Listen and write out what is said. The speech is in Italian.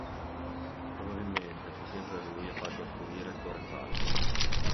Probabilmente fu sempre lui a far costruire Torre Falco.